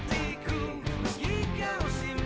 tidak bisa dip exactly